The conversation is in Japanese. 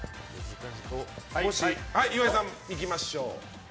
岩井さん、いきましょう。